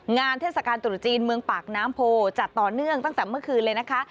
เทศกาลตรุษจีนเมืองปากน้ำโพจัดต่อเนื่องตั้งแต่เมื่อคืนเลยนะคะ